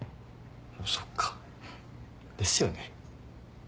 そっかですよね。